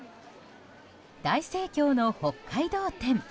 大盛況の北海道展。